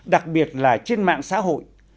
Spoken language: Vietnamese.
đặc biệt là trên mạng xã hội